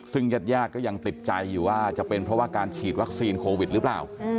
ซึ่งญาติก็ยังติดใจอยู่ว่าจะเป็นเพราะว่าการฉีดวัคซีนโควิดหรือเปล่า